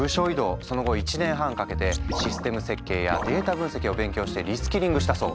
その後１年半かけてシステム設計やデータ分析を勉強してリスキリングしたそう。